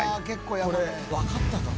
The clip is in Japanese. これわかったかも。